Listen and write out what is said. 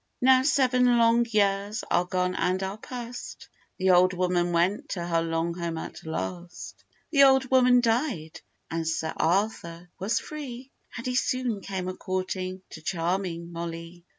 Now seven long years are gone and are past, The old woman went to her long home at last; The old woman died, and Sir Arthur was free, And he soon came a courting to charming Mollee.